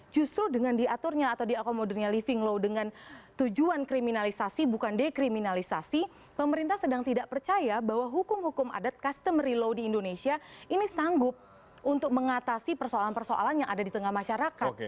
justru dengan diaturnya atau diakomodirnya living law dengan tujuan kriminalisasi bukan dekriminalisasi pemerintah sedang tidak percaya bahwa hukum hukum adat customery law di indonesia ini sanggup untuk mengatasi persoalan persoalan yang ada di tengah masyarakat